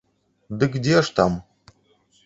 Дык дзе ж там!